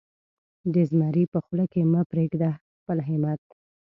د زمري په خوله کې مه پرېږده خپل همت.